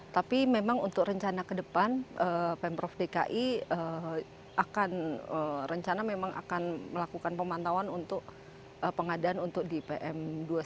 tapi memang untuk rencana ke depan pemprov dki akan melakukan pemantauan untuk pengadaan untuk di pm dua lima